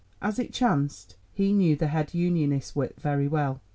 As it chanced he knew the head Unionist whip very well.